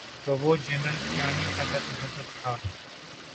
تو وہ جنرل کیانی کا تذبذب تھا۔